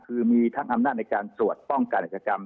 คือมีทั้งอำนาจในการตรวจป้องกันอาจกรรม